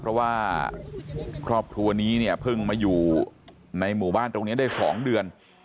เพราะว่าครอบครัวนี้เนี่ยเพิ่งมาอยู่ในหมู่บ้านตรงนี้ได้๒เดือน